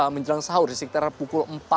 menjelang sahur di sekitar pukul empat